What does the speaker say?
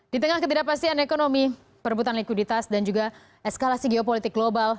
di tengah ketidakpastian ekonomi perebutan likuiditas dan juga eskalasi geopolitik global